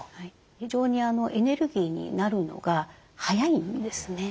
非常にエネルギーになるのが早いんですね。